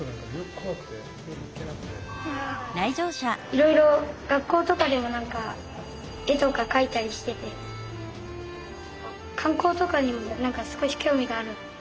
いろいろ学校とかでも絵とか描いたりしてて観光とかにも少し興味がある。